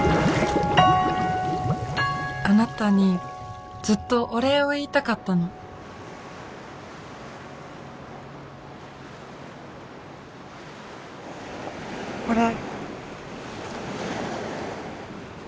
あなたにずっとお礼を言いたかったのこれ。